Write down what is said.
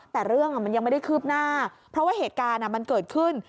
แต่เรื่องมันยังไม่ได้คืบหน้าเพราะว่าเหตุการณ์มันเกิดขึ้น